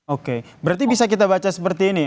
oke berarti bisa kita baca seperti ini